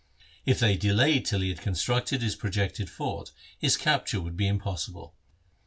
If they delayed till he had constructed his projected fort, his capture would be impossible.